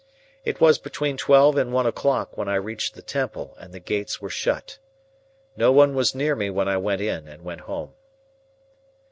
It was between twelve and one o'clock when I reached the Temple, and the gates were shut. No one was near me when I went in and went home.